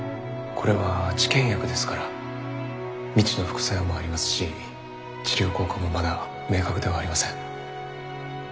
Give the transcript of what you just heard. これは治験薬ですから未知の副作用もありますし治療効果もまだ明確ではありません。